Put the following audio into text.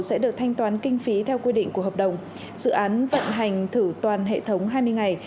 sẽ được thanh toán kinh phí theo quy định của hợp đồng dự án vận hành thử toàn hệ thống hai mươi ngày